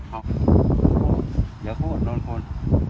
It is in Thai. เดี๋ยวโฆษโดนคน